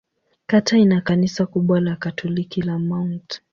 Kata ina kanisa kubwa la Katoliki la Mt.